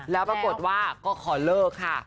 แล้วปรากฏว่าก็ขอเลิกค่ะ